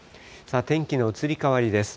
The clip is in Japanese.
天気の移り変わりです。